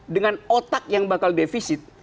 dengan otak yang bakal defisit